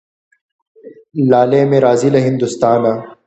لالی مي راځي له هندوستانه